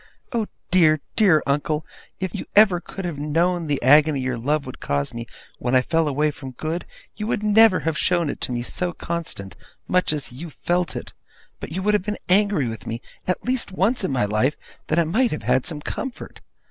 Oh dear, dear uncle, if you ever could have known the agony your love would cause me when I fell away from good, you never would have shown it to me so constant, much as you felt it; but would have been angry to me, at least once in my life, that I might have had some comfort!